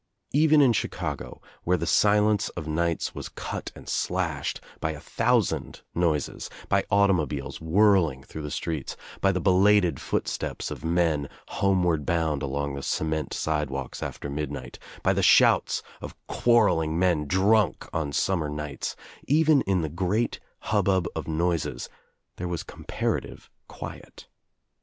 Even in Chicago where the silence of nights was cut and slashed by a thousand noises, by automobiles whirling through the streets, by the belated footsteps of men homeward bound along the cement sidewalks after midnight, by the shouts of quarreling men drunk on summer nights, even in the great hubbub of noises there was comparative quiet.